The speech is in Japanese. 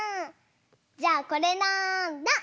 じゃあこれなんだ？